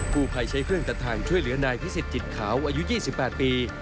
ผู้ภัยใช้เครื่องตัดทางช่วยเหลือนายพิสิทธิจิตขาวอายุ๒๘ปี